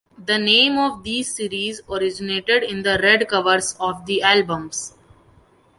The name of these series originated in the red covers of the albums.